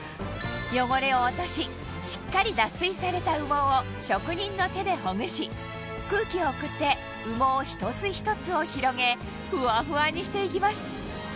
汚れを落とししっかり脱水された羽毛を職人の手でほぐし空気を送って羽毛一つ一つを広げフワフワにしていきます